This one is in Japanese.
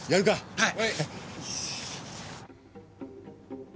はい！